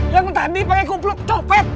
yang tadi pakai kumpluk copet